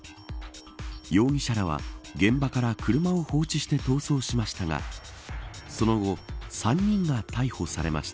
容疑者らは現場から車を放置して逃走しましたがその後、３人が逮捕されました。